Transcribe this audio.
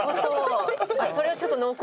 それはちょっと濃厚ですね。